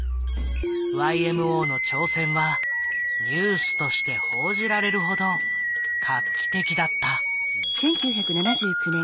ＹＭＯの挑戦はニュースとして報じられるほど画期的だった。